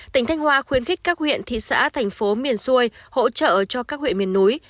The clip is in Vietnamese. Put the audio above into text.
tỉnh thanh hoa khuyến khích các huyện thị xã thành phố miền xuôi hỗ trợ cho các huyện miền núi